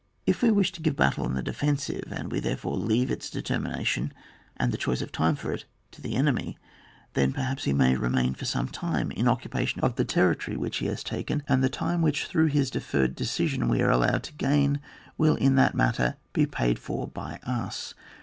If we wish to give battle on the defensive, and we &erefore leave its determination and the choice of time for it to the enemy, then perhaps he may remain for some time in occupation of the territory which he OBAP. vm.] METHODS OF RESISTANCE. 89 has taken, and the time which through his deferred decision we are allowed to gain will in that manner b« paid for by us.